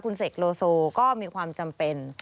คุณเสกโลโซก็มีความจำเป็น